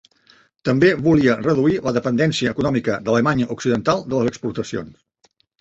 També volia reduir la dependència econòmica d'Alemanya Occidental de les exportacions.